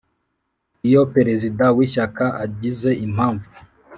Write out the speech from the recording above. Iyo Perezida w Ishyaka agize impamvu